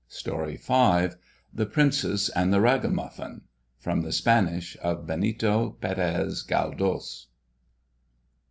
THE PRINCESS AND THE RAGAMUFFIN. From the Spanish of BENITO PÉREZ GALDÓS.